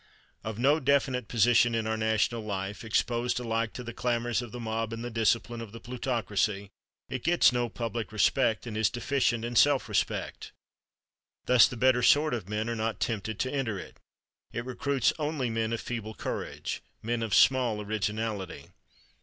Of no definite position in our national life, exposed alike to the clamors of the mob and the discipline of the plutocracy, it gets no public respect and is deficient in self respect. Thus the better sort of men are not tempted to enter it. It recruits only men of feeble courage, men of small originality.